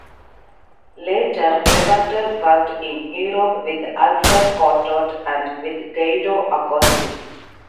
Later Lewenthal worked in Europe with Alfred Cortot and with Guido Agosti.